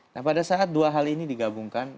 nah pada saat dua hal ini digabungkan